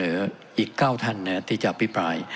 เหลืออีก๙ท่านที่จะอภิปราย